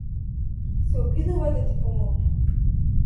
Се обидува да ти помогне.